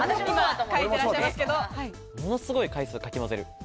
ものすごい回数かき混ぜる。